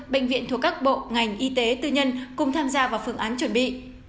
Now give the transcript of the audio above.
bệnh viện thuộc các bộ ngành y tế tư nhân cùng tham gia vào phương án chuẩn bị